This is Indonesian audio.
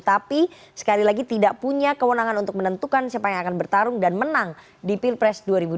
tapi sekali lagi tidak punya kewenangan untuk menentukan siapa yang akan bertarung dan menang di pilpres dua ribu dua puluh